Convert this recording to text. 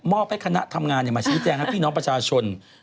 มอบให้คณะทำงานมาชินแจงพี่น้องประชาชน